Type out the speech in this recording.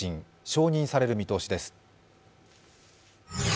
承認される見通しです。